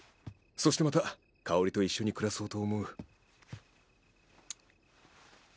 そしてまた香織と一緒に暮らそうと思う。